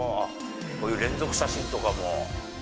こういう連続写真とかも。